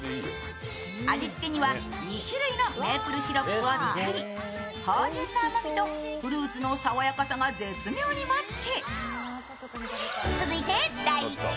味付けには２種類のメープルシロップを使い、芳醇な甘みとフルーツの爽やかさが絶妙にマッチ。